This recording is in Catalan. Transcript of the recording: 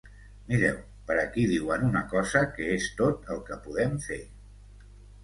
Mireu, per aquí diuen una cosa que és tot el que podem fer.